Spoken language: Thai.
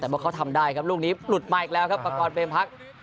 แต่เมื่อเขาทำได้ครับลูกนี้หลุดมาอีกแล้วครับประกอบเป็นพัก